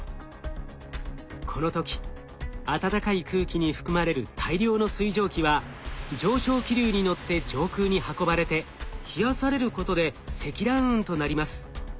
この時暖かい空気に含まれる大量の水蒸気は上昇気流に乗って上空に運ばれて冷やされることで積乱雲となります。